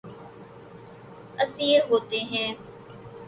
اسیر ہوتے ہیں